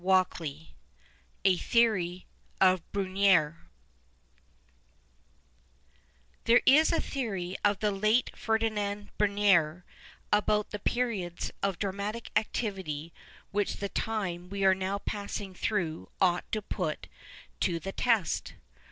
148 A THEORY OF BRUNETIifcRE There is a tlicory of the late Ferdinand Briinetidre about the periods of dramatic aetivity wliich the time we are now passing througli ought to put to the test.